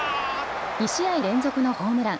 ２試合連続のホームラン。